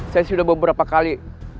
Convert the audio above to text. saya sudah beberapa kali